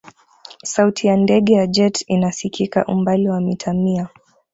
sauti ya ndege ya jet ina sikika umbali wa mita mia